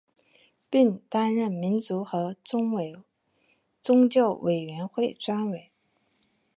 并担任民族和宗教委员会专委。